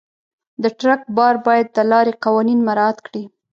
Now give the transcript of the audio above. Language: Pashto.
د ټرک بار باید د لارې قوانین مراعت کړي.